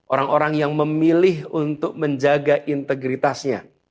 orang orang yang memilih untuk menjaga integritasnya